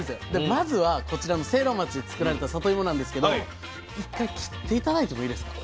まずはこちらの聖籠町で作られたさといもなんですけど一回切って頂いてもいいですか？